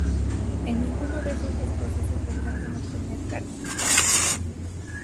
En ninguno de esos dos procesos lograron obtener cargos.